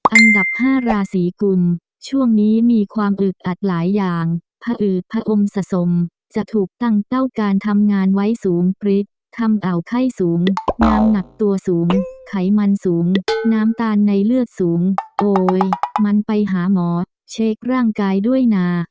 อันดับ๕ราศีกุลช่วงนี้มีความอึดอัดหลายอย่างผอืดผอมสะสมจะถูกตั้งเต้าการทำงานไว้สูงพริกทำเอาไข้สูงน้ำหนักตัวสูงไขมันสูงน้ำตาลในเลือดสูงโอ๊ยมันไปหาหมอเช็คร่างกายด้วยนะ